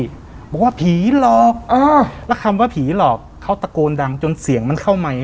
บอกว่าผีหลอกอ่าแล้วคำว่าผีหลอกเขาตะโกนดังจนเสียงมันเข้าไมค